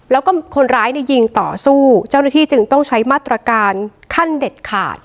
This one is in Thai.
แล้วก็คนร้ายเนี่ยยิงต่อสู้เจ้าหน้าที่จึงต้องใช้มาตรการขั้นเด็ดขาด